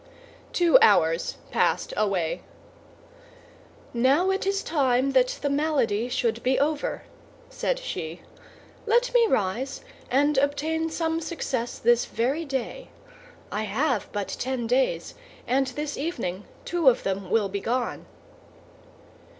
Two hours passed away. "Now it is time that the malady should be over," said she; "let me rise, and obtain some success this very day. I have but ten days, and this evening two of them will be gone."